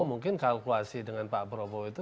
mungkin kalkulasi dengan pak prabowo itu